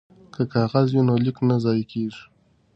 که کاغذ وي نو لیک نه ضایع کیږي.